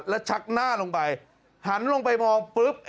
แล้วชักหน้าลงไปหันลงไปมองปุ๊บ